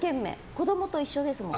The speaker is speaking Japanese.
子供と一緒です。